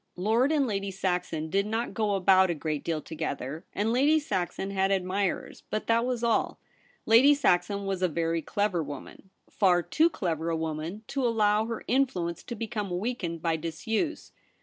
Lord and Lady Saxon did not go about a great deal together, and Lady Saxon had admirers, but that was all. Lady Saxon was a very clever woman — far too clever a woman to allow her influence to become weakened by disuse.